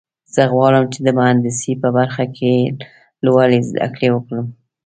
زه غواړم چې د مهندسۍ په برخه کې لوړې زده کړې وکړم